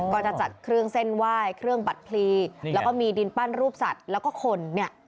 ก็จะจัดเครื่องเส้นไหว้เครื่องบัตรพลีแล้วก็มีดินปั้นรูปสัตว์แล้วก็คนเนี่ย